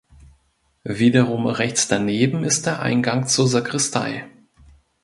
Wiederum rechts daneben ist der Eingang zur Sakristei.